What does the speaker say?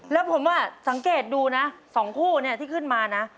แล้วผมสังเกตดูน่ะสองคู่ที่ขึ้นมานะ